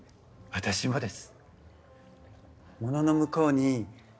私もです。